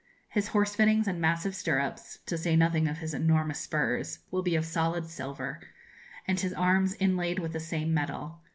His horse fittings and massive stirrups (to say nothing of his enormous spurs) will be of solid silver, and his arms inlaid with the same metal.